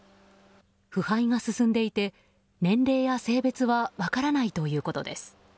腐敗が進んでいて、年齢や性別は分からないということです。